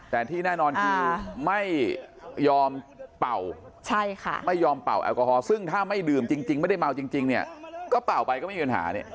แต่ที่แน่นอนคือไม่ยอมเป่าไม่ยอมเป่าแอลกอฮอลซึ่งถ้าไม่ดื่มจริงไม่ได้เมาจริงเนี่ยก็เป่าไปก็ไม่มีปัญหาเนี่ย